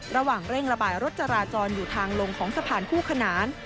ระหว่างเร่งระบายรถจราจรอยู่ทางลงของสะพานคู่ขนาน